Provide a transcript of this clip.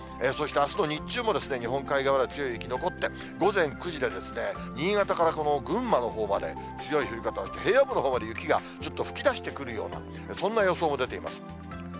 そしてあすの日中もですね、日本海側では強い雪残って、午前９時で新潟から群馬のほうまで強い降り方をして、平野部のほうまで雪がちょっと吹き出してくるような、そんな予想も出ています。